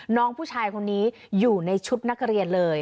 น้องผู้ชายคนนี้อยู่ในชุดนักเรียนเลย